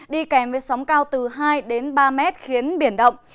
đi kèm với sóng cao từ hai đến ba mét khiến biển động